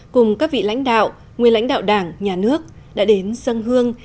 cùng các vị lãnh đạo nguyên lãnh đạo đảng nhà nước đã đến sân hương